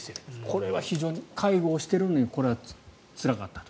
これは非常に、介護をしてるのにこれがつらかったと。